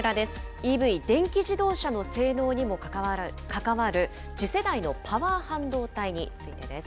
ＥＶ・電気自動車の性能にも関わる、次世代のパワー半導体についてです。